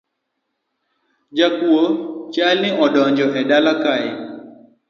Jakuo chalo ni odonjo e dala kae